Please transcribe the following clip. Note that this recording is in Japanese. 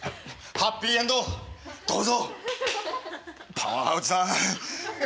ハッピーエンドどうぞ。